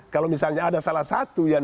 kalau misalnya ada salah satu yang